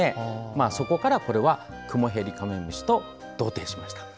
そこから、これはクモヘリカメムシと同定しました。